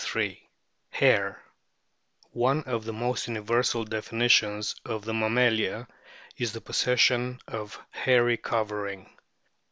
* HAIR One of the most universal definitions of the mammalia is the possession of a hairy covering.